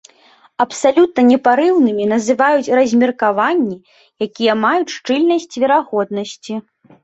Абсалютна непарыўнымі называюць размеркаванні, якія маюць шчыльнасць верагоднасці.